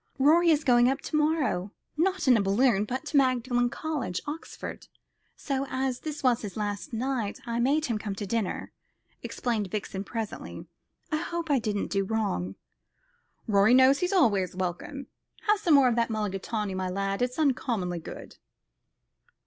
"Rorie is going up to morrow not in a balloon, but to Magdalen College, Oxford so, as this was his last night, I made him come to dinner," explained Vixen presently. "I hope I didn't do wrong." "Rorie knows he's always welcome. Have some more of that mulligatawny, my lad, it's uncommonly good."